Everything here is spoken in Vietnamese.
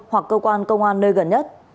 hoặc cơ quan công an nơi gần nhất